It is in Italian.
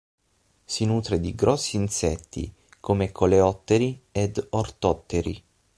Si nutre di grossi insetti come coleotteri ed ortotteri.